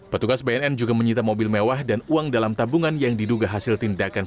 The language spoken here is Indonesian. petugas bnn juga menyita mobil mewah dan uang dalam tabungan yang diduga hasil tindakan